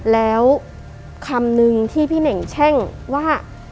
แล้วคำนึงที่พี่เน่งแช่งว่า